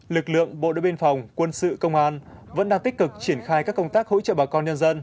lực lượng bộ đội biên phòng quân sự công an vẫn đang tích cực triển khai các công tác hỗ trợ bà con nhân dân